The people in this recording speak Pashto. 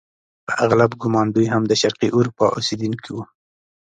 په اغلب ګومان دوی هم د شرقي اروپا اوسیدونکي وو.